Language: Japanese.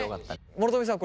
諸富さん